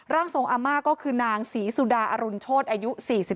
ร่างทรงอาม่าก็คือนางศรีสุดาอรุณโชธอายุ๔๒